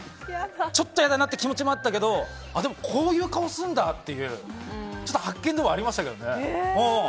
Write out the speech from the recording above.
ちょっと嫌だなとかいう気持ちもあったけどでもこういう顔するんだみたいなでも発見でもありましたね。